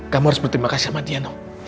kamu harus berterima kasih sama dia noh